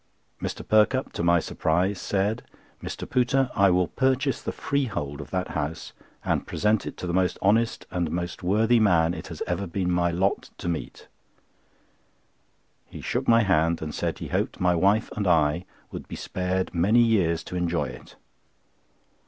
Mr. Perkupp, to my surprise, said: "Mr. Pooter, I will purchase the freehold of that house, and present it to the most honest and most worthy man it has ever been my lot to meet." He shook my hand, and said he hoped my wife and I would be spared many years to enjoy it.